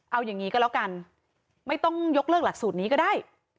เอาอย่างนี้ก็แล้วกันไม่ต้องยกเลิกหลักสูตรนี้ก็ได้